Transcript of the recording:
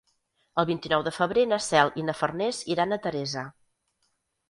El vint-i-nou de febrer na Cel i na Farners iran a Teresa.